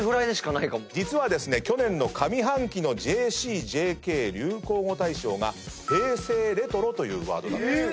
実はですね去年の上半期のＪＣ・ＪＫ流行語大賞が「平成レトロ」というワードだったそうです。